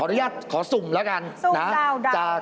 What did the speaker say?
อนุญาตขอสุ่มแล้วกันนะ